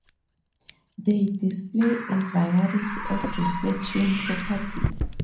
They display a variety of reflection properties.